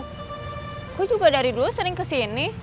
aku juga dari dulu sering kesini